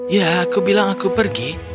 ya aku bilang aku pergi